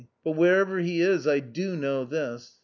But wherever he is I do know this.